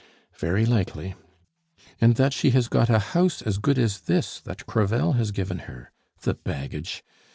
"Very likely." "And that she has got a house as good as this, that Crevel has given her. The baggage!